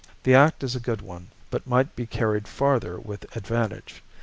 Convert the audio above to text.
The Act is a good one, but might be carried farther with advantage.